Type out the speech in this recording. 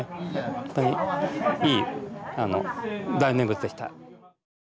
本当にいい大念仏でした。